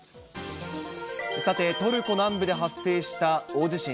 さて、トルコ南部で発生した大地震。